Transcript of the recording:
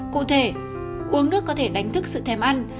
cụ thể uống nước có thể đánh thức sự thèm ăn